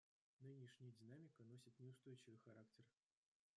Нынешняя динамика носит неустойчивый характер.